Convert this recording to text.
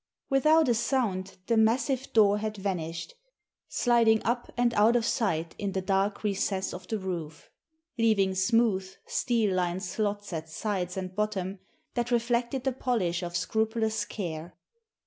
Without a sound the massive door had vanished, sliding up and out of sight in the dark recess of the roof, leaving smooth, steel lined slots at sides and bottom that reflected the polish of scrupulous care.